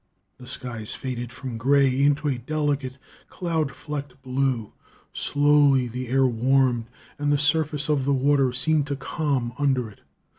The skies faded from gray into a delicate, cloud flecked blue; slowly the air warmed, and the surface of the water seemed to calm under it.